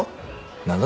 何だ？